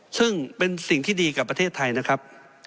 ซึ่งเป็นสิ่งที่ดีกับประเทศไทยนะครับ